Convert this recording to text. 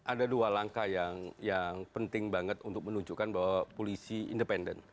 ada dua langkah yang penting banget untuk menunjukkan bahwa polisi independen